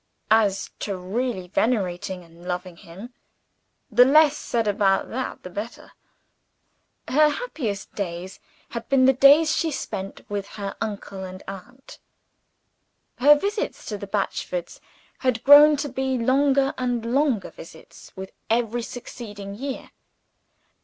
As to really venerating and loving him the less said about that the better. Her happiest days had been the days she spent with her uncle and aunt; her visits to the Batchfords had grown to be longer and longer visits with every succeeding year.